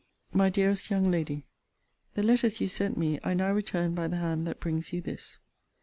MY DEAREST YOUNG LADY, The letters you sent me I now return by the hand that brings you this.